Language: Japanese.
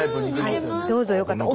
どうぞよかったら。